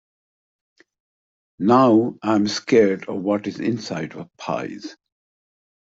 Now, I’m scared of what is inside of pies.